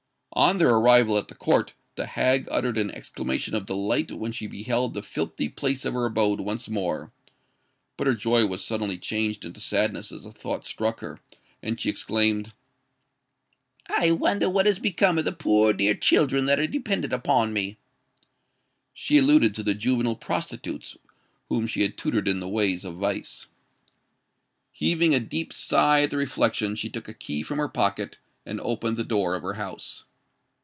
On their arrival at the court, the hag uttered an exclamation of delight when she beheld the filthy place of her abode once more: but her joy was suddenly changed into sadness as a thought struck her; and she exclaimed, "I wonder what has become of the poor dear children that are dependant on me?" She alluded to the juvenile prostitutes whom she had tutored in the ways of vice. Heaving a deep sigh at the reflection, she took a key from her pocket, and opened the door of her house.